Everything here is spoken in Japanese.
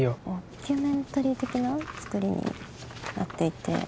モキュメンタリー的な作りになっていて。